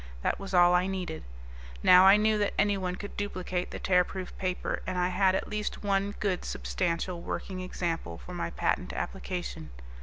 That was all I needed. Now I knew that anyone could duplicate the Tearproof Paper, and I had at least one, good, substantial working example for my patent application.